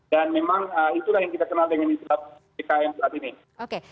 dan memang itulah yang kita kenal dengan di setiap bkn saat ini